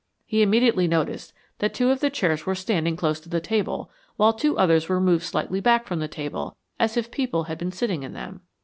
He immediately noticed that two of the chairs were standing close to the table, while two others were moved slightly back from the table as if people had been sitting in them.